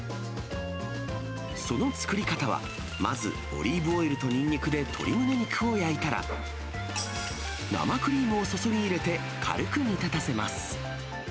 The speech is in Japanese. その作り方は、まず、オリーブオイルとにんにくで鶏むね肉を焼いたら、生クリームを注ぎ入れて、軽く煮立たせます。